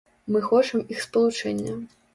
Мы хочам іх спалучэння.